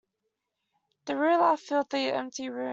The rude laugh filled the empty room.